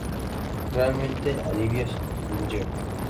Realmente alivia tu tensión.